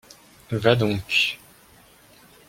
Va donc !